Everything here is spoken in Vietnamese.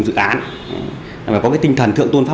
phải có tinh thần thượng tôn pháp và tinh thần thượng tôn pháp